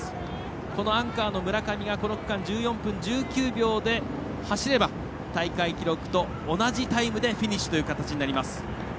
アンカーの村上が、この区間１４分１９秒で走れば大会記録と同じタイムでフィニッシュとなります。